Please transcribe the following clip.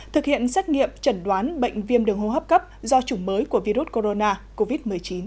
thực hiện xét nghiệm chẩn đoán bệnh viêm đường hô hấp cấp do chủng mới của virus corona covid một mươi chín